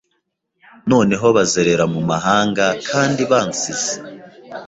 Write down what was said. noneho bazerera mumahanga Kandi bansize